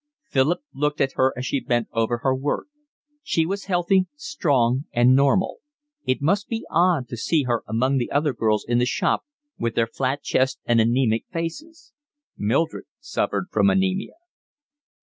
Philip looked at her as she bent over her work; she was healthy, strong, and normal; it must be odd to see her among the other girls in the shop with their flat chests and anaemic faces. Mildred suffered from anaemia.